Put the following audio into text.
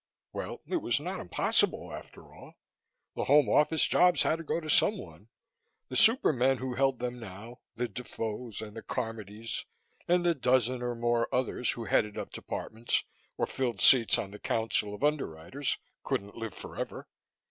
Well, it was not impossible, after all. The Home Office jobs had to go to someone; the super men who held them now the Defoes and the Carmodys and the dozen or more others who headed up departments or filled seats on the Council of Underwriters couldn't live forever.